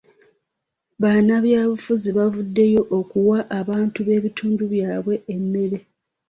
Bannabyabufuzi bavuddeyo okuwa abantu b'ebitundu byabwe emmere.